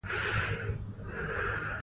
ازادي راډیو د کډوال بدلونونه څارلي.